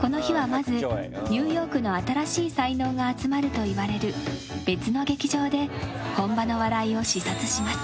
この日はまずニューヨークの新しい才能が集まるといわれる別の劇場で本場の笑いを視察します。